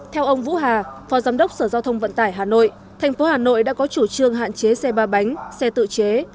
theo ông vũ hà phó giám đốc sở giao thông vận tải hà nội thành phố hà nội đã có chủ trương hạn chế xe ba bánh xe tự chế